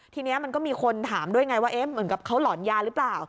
ทีนี้มันก็มีคนถามด้วยไงว่าเหมือนกับเขาหลอนยาหรือเปล่า